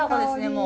もう。